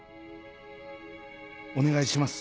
お願いします。